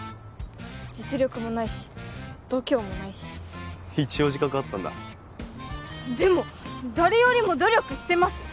実力もないし度胸もないし一応自覚あったんだでも誰よりも努力してます